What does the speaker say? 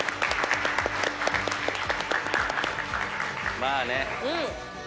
まあね。